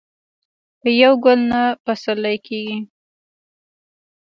په یو ګل نه پسرلی کېږي